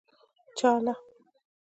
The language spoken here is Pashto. چا له.